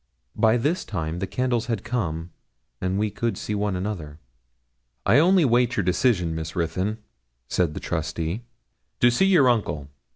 By this time the candles had come, and we could see one another. 'I only wait your decision, Miss Ruthyn,' said the trustee, 'to see your uncle.